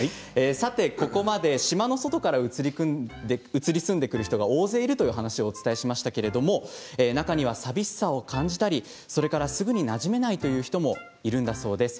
ここまで島の外から移り住んでくる人が大勢いるという話をお伝えしてきましたけれど中には、さみしさを感じたりそれからすぐになじめないという人もいるんだそうです。